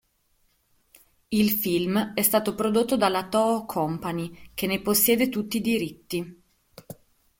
Il film è stato prodotto dalla Toho Company, che ne possiede tutti i diritti.